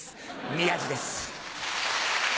宮治です。